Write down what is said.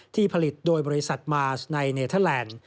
ที่ผลิตโดยบริษัทมาสในเนเทอร์แลนด์